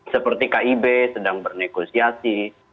seperti kib sedang bernegosiasi